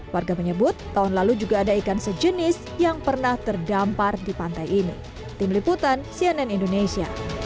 warga menyebut tahun lalu juga ada ikan sejenis yang pernah terdampar di pantai ini